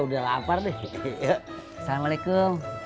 lapar deh ya assalamualaikum waalaikumsalam waalaikumsalam